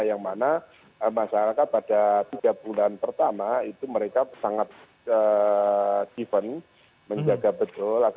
yang mana masyarakat pada tiga bulan pertama itu mereka sangat given menjaga betul